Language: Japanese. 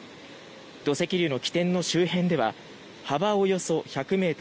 土石流の起点の周辺では幅およそ１００ｍ